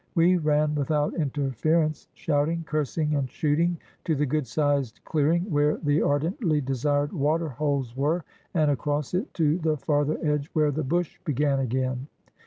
We ran without interference, shouting, cursing, and shooting, to the good sized clearing where the ardently desired water holes were, and across it to the farther edge, where the bush began again.